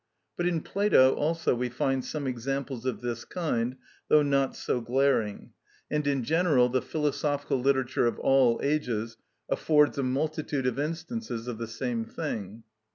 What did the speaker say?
But in Plato also we find some examples of this kind, though not so glaring; and in general the philosophical literature of all ages affords a multitude of instances of the same thing.